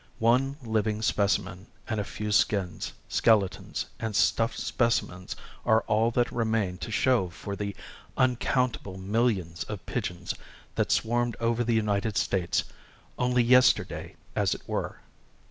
One living specimen and a few skins, skeletons and stuffed specimens are all that remain to show for the uncountable millions of pigeons that swarmed over the United States, only yesterday as it were!